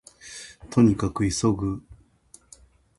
兎に角急ぐ